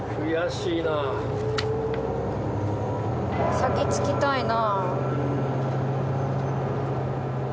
先着きたいな。